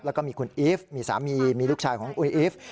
แล้วก็มีคุณอิฟพุทธธิดามีสามีลูกชายอิฟพุทธธิดา